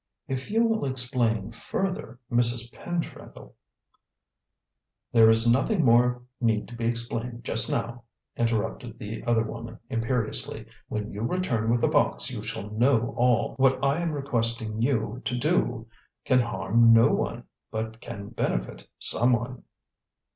"If you will explain further, Mrs. Pentreddle " "There is nothing more need be explained just now," interrupted the other woman imperiously; "when you return with the box, you shall know all. What I am requesting you to do can harm no one, but can benefit someone."